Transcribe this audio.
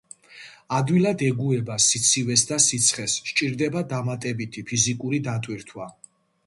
ადვილად ეგუება სიცივეს და სიცხეს, სჭირდება დამატებითი ფიზიკური დატვირთვა.